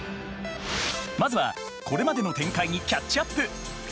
まずはこれまでの展開にキャッチアップ！